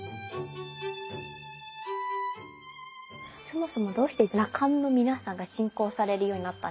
そもそもどうして羅漢の皆さんが信仰されるようになったんですか？